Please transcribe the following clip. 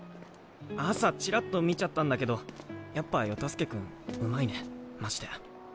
朝ちらっと見ちゃったんだけどやっぱ世田介君うまいねマジで。